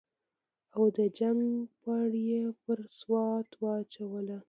او د جنګ پړه یې پر سوات واچوله.